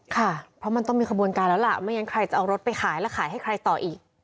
ค่ะเพราะมันต้องมีขบวนการแล้วล่ะไม่งั้นใครจะเอารถไปขายแล้วขายให้ใครต่ออีก